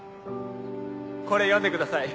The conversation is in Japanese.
これ読んでください